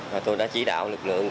rồi tôi đã chỉ đạo lực lượng